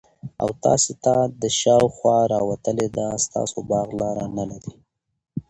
او تاسي ته دشاخوا راوتلي ده ستاسو باغ لار نلري